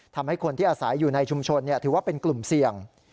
ทำให้คนที่อาศัยอยู่ในชุมชนถือว่าเป็นกลุ่มเสี่ยง